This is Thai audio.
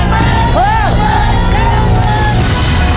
คือ